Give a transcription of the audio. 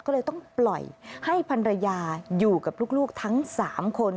ก็เลยต้องปล่อยให้พันรยาอยู่กับลูกทั้ง๓คน